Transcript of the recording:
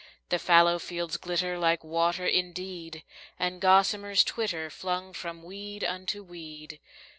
The fallow fields glitter like water indeed, And gossamers twitter, flung from weed unto weed.